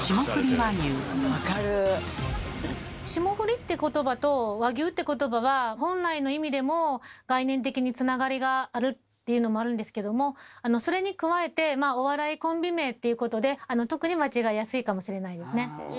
「霜降り」って言葉と「和牛」って言葉は本来の意味でも概念的につながりがあるっていうのもあるんですけどもそれに加えてお笑いコンビ名っていうことで特に間違いやすいかもしれないですね。